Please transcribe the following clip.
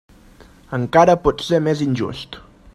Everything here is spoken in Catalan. Encara pot ser més injust.